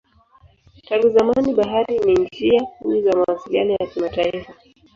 Tangu zamani bahari ni njia kuu za mawasiliano ya kimataifa.